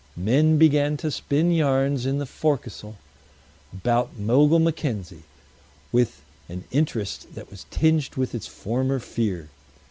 Men began to spin yarns in the forecastle about Mogul Mackenzie, with an interest that was tinged with its former fear.